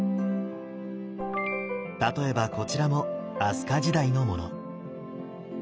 例えばこちらも飛鳥時代のもの。